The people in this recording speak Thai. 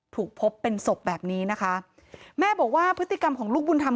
ถูกพบเป็นศพแบบนี้นะคะแม่บอกว่าพฤติกรรมของลูกบุญธรรม